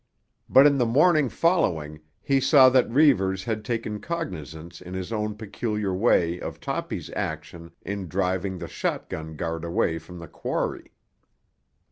But in the morning following he saw that Reivers had taken cognizance in his own peculiar way of Toppy's action in driving the shotgun guard away from the quarry.